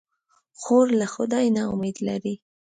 خور له خدای نه امید لري.